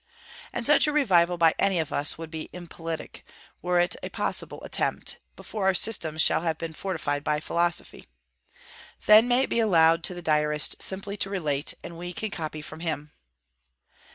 And such a revival by any of us would be impolitic, were it a possible attempt, before our systems shall have been fortified by philosophy. Then may it be allowed to the Diarist simply to relate, and we can copy from him.